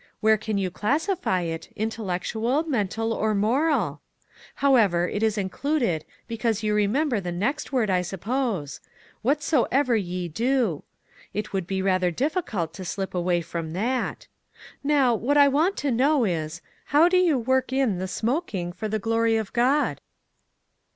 Where can * you classify it, intellectual, mental or moral ? However, it is included, because you remem v ber the next word, I suppose? 'Whatsoever ye do.' It would be rather difficult to slip away from that. Now, what I want to know is, ' How do you work in the smok ing for the glory of God?'!